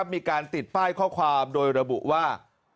มีการติดป้ายข้อความโดยระบุว่า